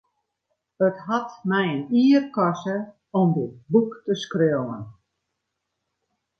It hat my in jier koste om dit boek te skriuwen.